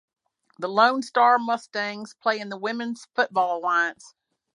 The Lone Star Mustangs play in the Women's Football Alliance.